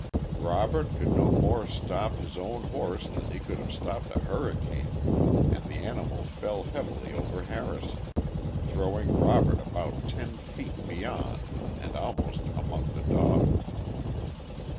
Robert could no more stop his own horse than he could have stopped a hurricane, and the animal fell heavily over Harrison, throwing Robert about ten feet beyond and almost among the dogs.